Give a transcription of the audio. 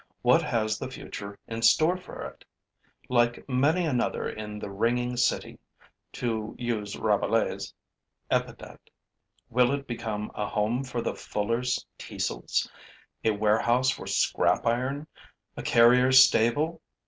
What has the future in store for it? Like many another in the ringing city, to use Rabelais' epithet, will it become a home for the fuller's teasels, a warehouse for scrap iron, a carrier's stable?